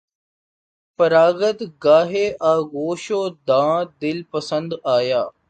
فراغت گاہ آغوش وداع دل پسند آیا